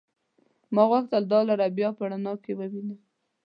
ما غوښتل دا لار بيا په رڼا کې ووينم.